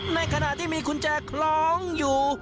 ในขณะที่มีกุญแจคล้องอยู่